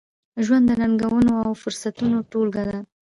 ژوند د ننګونو، او فرصتونو ټولګه ده.